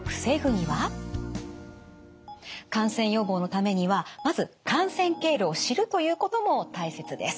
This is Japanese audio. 感染予防のためにはまず感染経路を知るということも大切です。